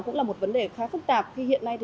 cũng là một vấn đề khá phức tạp khi hiện nay